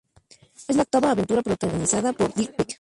Es la octava aventura protagonizada por Dirk Pitt.